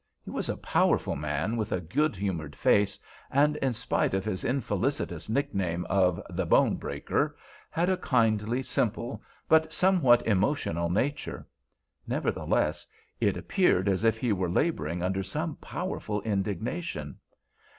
He was a powerful man, with a good humored face, and, in spite of his unfelicitous nickname of "The Bone Breaker," had a kindly, simple, but somewhat emotional nature. Nevertheless, it appeared as if he were laboring under some powerful indignation.